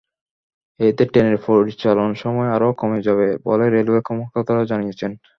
এতে ট্রেনের পরিচালন সময় আরও কমে যাবে বলে রেলওয়ের কর্মকর্তারা জানিয়েছেন।